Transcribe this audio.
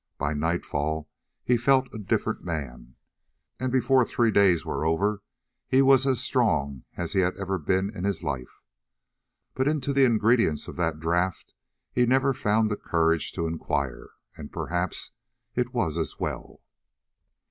By nightfall he felt a different man, and before three days were over he was as strong as he had ever been in his life. But into the ingredients of the draught he never found the courage to inquire, and perhaps it was as well.